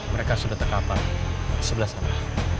mereka sudah terhapa sebelah sana